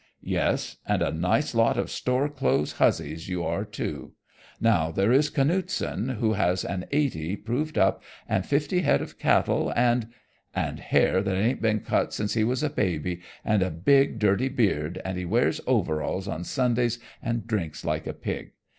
"Yes, and a nice lot of store clothes huzzies you are too. Now there is Canuteson who has an 'eighty' proved up and fifty head of cattle and " "And hair that ain't been cut since he was a baby, and a big dirty beard, and he wears overalls on Sundays, and drinks like a pig.